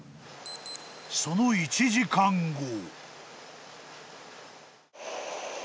［その１時間後］